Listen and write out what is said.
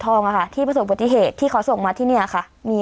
ทองอะค่ะที่ประสบปฏิเหตุที่เขาส่งมาที่เนี่ยค่ะมี